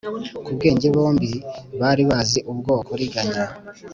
ku bwenge bombi bari bazi bwo kuriganya.